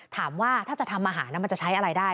ถามว่าถ้าจะทำอาหารมันจะใช้อะไรได้